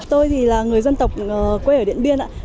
tôi là người dân tộc quê ở điện biên